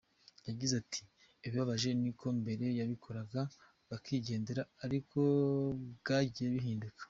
Yagize ati“Ikibabaje ni uko mbere babikoraga bakigendera ariko byagiye bihinduka.